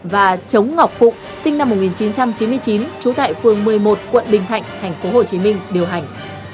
và chống ngọc phụ sinh năm một nghìn chín trăm chín mươi chín trú tại phường một mươi một quận bình thạnh thành phố hồ chí minh điều hành